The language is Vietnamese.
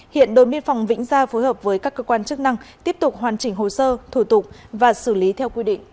hiện đội biên phòng vĩnh gia phối hợp với các cơ quan chức năng tiếp tục hoàn chỉnh hồ sơ thủ tục và xử lý theo quy định của pháp luật